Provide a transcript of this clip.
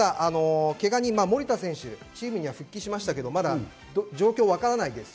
毛ガニ、守田選手チームには復帰しましたが、まだ状況はわからないです。